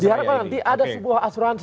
biarkan nanti ada sebuah asuransi